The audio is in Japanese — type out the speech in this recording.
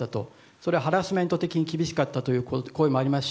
それはハラスメント的に厳しかったという声もあります